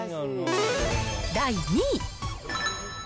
第２位。